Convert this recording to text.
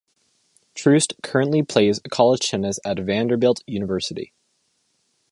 Troost currently plays college tennis at Vanderbilt University.